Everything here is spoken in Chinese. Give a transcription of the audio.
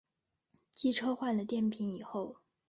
机车换了电瓶以后